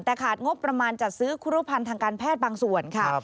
แต่ขาดงบประมาณจัดซื้อครูพันธ์ทางการแพทย์บางส่วนค่ะ